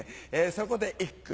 そこで一句。